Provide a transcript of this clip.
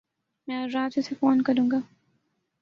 میں اج رات کو اسے فون کروں گا۔